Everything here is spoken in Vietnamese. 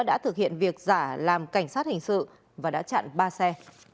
đã thực hiện việc giả làm cảnh sát hình sự và đã chặn ba xe